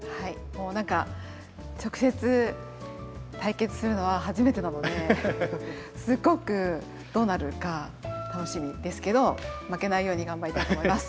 もう何か直接対決するのは初めてなのですごくどうなるか楽しみですけど負けないように頑張りたいと思います。